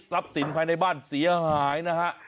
ทรัพย์สินภายในบ้านเสียหายนะฮะ